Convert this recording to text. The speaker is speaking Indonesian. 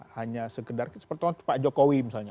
hanya sekedar seperti pak jokowi misalnya